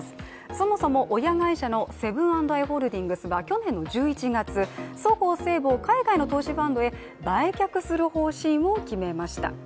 そもそも親会社のセブン＆アイ・ホールディングスが去年の１１月、そごう・西武を海外の投資ファンドに売却する方針を決めました。